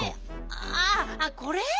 ああこれ？